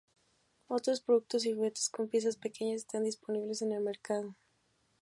Otros productos y juguetes con piezas pequeñas están disponibles en el mercado.